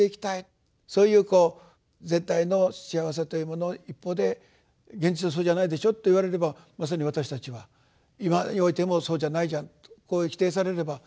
そういうこう全体の幸せというものの一方で「現実はそうじゃないでしょ」と言われればまさに私たちは今においても「そうじゃないじゃん」とこう否定されればまさにそうですけど。